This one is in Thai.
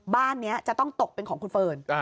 บ้านนี้จะต้องตกเป็นของคุณเฟิร์น